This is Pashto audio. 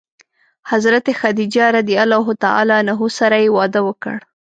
حضرت خدیجه رض سره یې واده وکړ.